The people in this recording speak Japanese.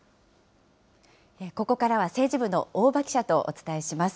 ここからは政治部の大場記者とお伝えします。